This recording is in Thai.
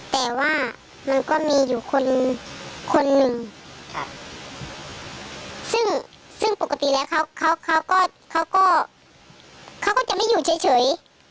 แต่ว่ามันก็มีอยู่คนหนึ่งซึ่งซึ่งปกติแล้วเขาก็เขาก็จะไม่อยู่เฉย